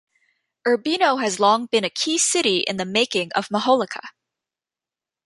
Urbino has long been a key city in the making of majolica.